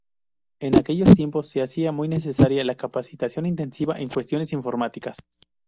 En aquellos tiempos se hacía muy necesaria la capacitación intensiva en cuestiones informáticas.